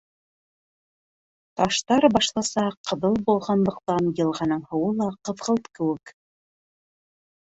Таштар башлыса ҡыҙыл булғанлыҡтан, йылғаның һыуы ла ҡыҙғылт кеүек.